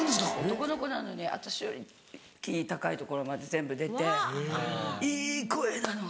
男の子なのに私よりキー高いところまで全部出ていい声なの。